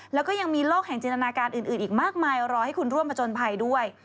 แล้วก็ยังมีโลกแห่งจินตนาการอื่นอีกมากมายรอให้คุณร่วมผจญภัยด้วย